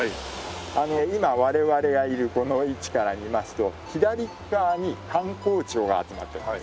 今我々がいるこの位置から見ますと左側に官公庁が集まってます。